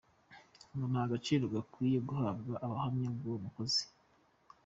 Ngo nta gaciro gakwiye guhabwa ubuhamya bw’uwo mukozi.